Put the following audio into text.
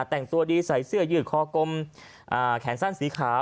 แต่งตัวดีใส่เสื้อยืดคอกลมแขนสั้นสีขาว